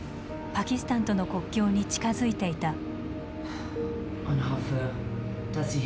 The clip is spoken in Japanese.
パキスタンとの国境に近づいていた。